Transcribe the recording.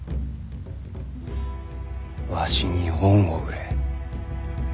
わしに恩を売れ。